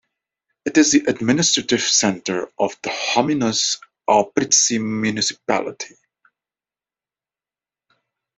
It is the administrative centre of the homonymous Apriltsi Municipality.